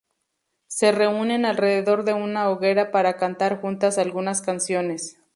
se reúnen alrededor de una hoguera para cantar juntas algunas canciones